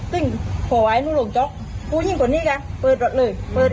ติ้งโหไว้หนูลงจ๊อกพูดยิ่งคนี้ค่ะเปิดรถเลยเปิด